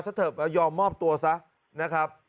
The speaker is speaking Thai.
ส้าเถิบให้ยอมโม้บตัวซะนะครับ